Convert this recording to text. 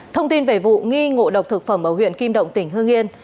thông tin về vụ nghi ngộ độc thực phẩm ở huyện kim động tỉnh hương yên